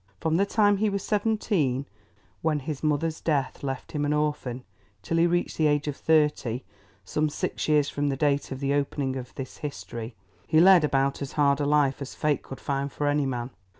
From the time he was seventeen, when his mother's death left him an orphan, till he reached the age of thirty, some six years from the date of the opening of this history, he led about as hard a life as fate could find for any man.